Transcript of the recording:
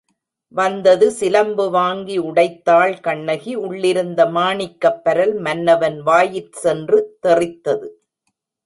வந்தது சிலம்பு வாங்கி உடைத்தாள் கண்ணகி உள்ளிருந்த மாணிக்கப் பரல் மன்னவன் வாயிற் சென்று தெறித்தது.